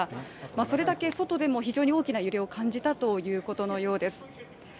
それだけ外でも非常に大きな揺れを感じたということのようです。